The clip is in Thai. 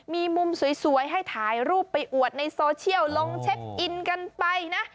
มีมุมสวยให้ถ่ายรูปไปอวดในโซเชียลลงเช็คอินกันไปนะ